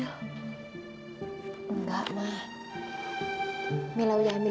kalau minta semuanya pada keluarganya fadil